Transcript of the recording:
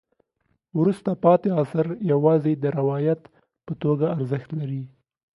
وروسته پاتې عصر یوازې د روایت په توګه د ارزښت دی.